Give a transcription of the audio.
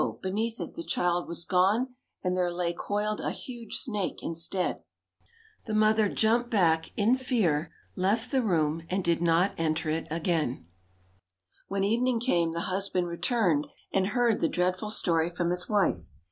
beneath it the child was gone and there lay coiled a huge snake instead. The mother jumped back in fear, left the room and did not again enter. When evening came the husband returned and heard the dreadful story from his wife.